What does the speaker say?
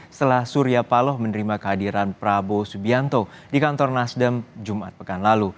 setelah surya paloh menerima kehadiran prabowo subianto di kantor nasdem jumat pekan lalu